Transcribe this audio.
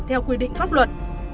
theo quy định pháp luật